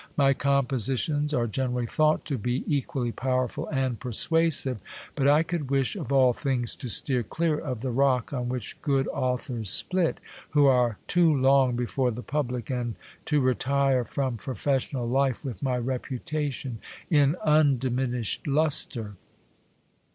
My compositions are gener THE ARCHBISHOP APPOINTS HIM HIS CENSOR. 231 ally thought to be equally powerful and persuasive ; but I could wish of all things to steer clear of the rock on which good authors split, who are too long before the public, and to retire from professional life with my reputation in un diminished lustre.